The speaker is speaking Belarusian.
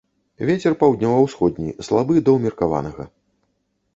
Вецер паўднёва-ўсходні, слабы да ўмеркаванага.